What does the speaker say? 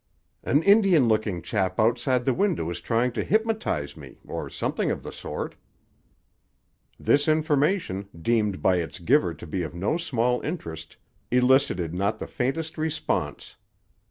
"An Indian looking chap outside the window is trying to hypnotize me, or something of the sort." This information, deemed by its giver to be of no small interest, elicited not the faintest response.